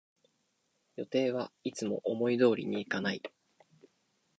予定はいつも思い通りにいかない